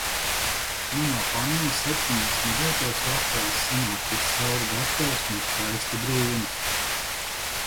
Manā pannā septiņās minūtēs vafeles sanāk viscaur gatavas un skaisti brūnas.